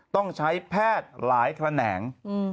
ต้องใช้แพทย์หลายแขนง